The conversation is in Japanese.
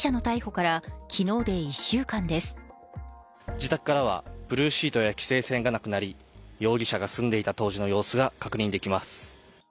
自宅からはブルーシートや規制線がなくなり容疑者が住んでいた当時の様子が確認できます。